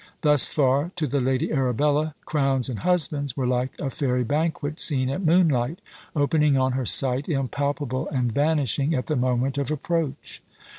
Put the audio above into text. Thus far, to the Lady Arabella, crowns and husbands were like a fairy banquet seen at moonlight, opening on her sight, impalpable and vanishing at the moment of approach.